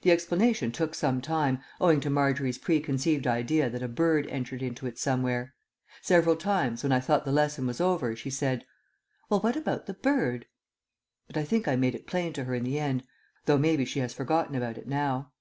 The explanation took some time, owing to Margery's preconceived idea that a bird entered into it somewhere; several times, when I thought the lesson was over, she said, "Well, what about the bird?" But I think I made it plain to her in the end, though maybe she has forgotten about it now.